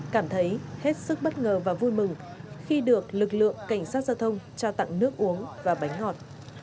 cảm thấy hết sức bất ngờ và vui mừng khi được lực lượng cảnh sát giao thông trao tặng nước uống và bánh ngọt